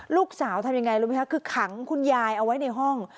ทำยังไงรู้ไหมคะคือขังคุณยายเอาไว้ในห้อง